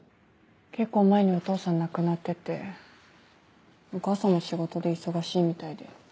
結構前にお父さん亡くなっててお母さんも仕事で忙しいみたいで。